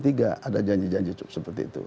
tidak ada janji janji seperti itu